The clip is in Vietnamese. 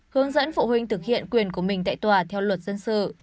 hướng dẫn phụ huynh thực hiện quyền của mình tại tòa theo luật dân sự